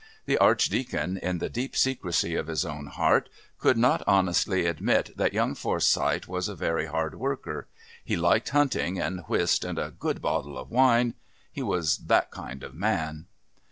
The Archdeacon, in the deep secrecy of his own heart, could not honestly admit that young Forsyth was a very hard worker he liked hunting and whist and a good bottle of wine...he was that kind of man.